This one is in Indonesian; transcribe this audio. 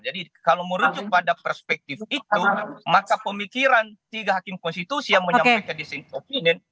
jadi kalau merujuk pada perspektif itu maka pemikiran tiga hakim konstitusi yang menyampaikan dissenting opinion